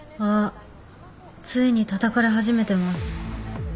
ついにたたかれ始めてます。